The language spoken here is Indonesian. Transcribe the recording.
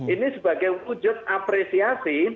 ini sebagai wujud apresiasi